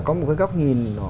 có một cái góc nhìn